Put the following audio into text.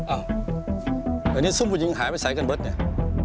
อ้าวอันนี้ซุ่มผู้หญิงหายไปใส่กันบ้างเนี่ย